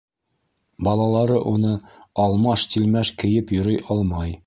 Балалары уны алмаш-тилмәш кейеп йөрөй алмай.